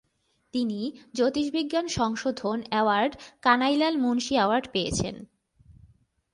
তিনি জ্যোতির্বিজ্ঞান সংশোধন award, Kanailal Munshi award পেয়েছেন।